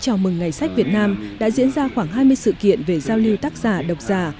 chào mừng ngày sách việt nam đã diễn ra khoảng hai mươi sự kiện về giao lưu tác giả độc giả